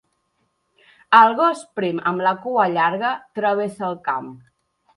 El gos prim amb la cua llarga travessa el camp.